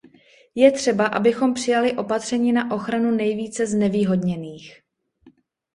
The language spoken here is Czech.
Je třeba, abychom přijali opatření na ochranu nejvíce znevýhodněných.